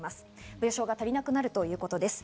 病床が足りなくなるということです。